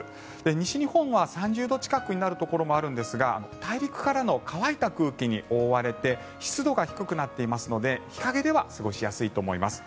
西日本は３０度近くになるところもあるんですが大陸からの乾いた空気に覆われて湿度が低くなっていますので日陰では過ごしやすいと思います。